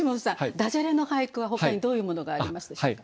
ダジャレの俳句はほかにどういうものがありますでしょうか？